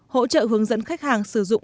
hỗ trợ hướng dẫn khách hàng sử dụng